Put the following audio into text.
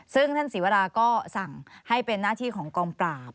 ซึ่งท่านศรีวราก็สั่งให้เป็นหน้าที่ของกองปราบ